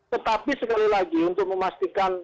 tetapi sekali lagi untuk memastikan